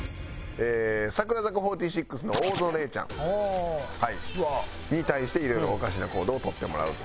櫻坂４６の大園玲ちゃんに対して色々おかしな行動を取ってもらうと。